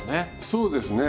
そうですね。